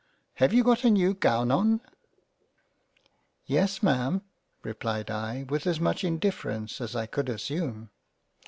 Have you got a new Gown on ?" "Yes Ma'am." replied I with as much indifference as I could assume.